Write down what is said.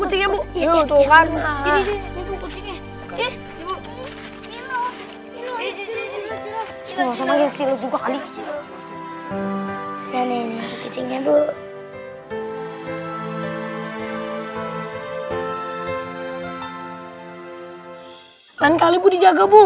lain kali bu dijaga bu